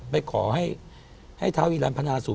ไปขอให้ท้าวอนิรันดิ์พนาสูร